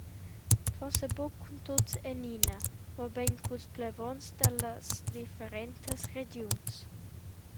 Forsa buca cun tuts enina, mobein culs plevons dallas differentas regiuns.